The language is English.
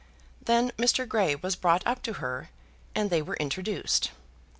Then Mr. Grey was brought up to her, and they were introduced.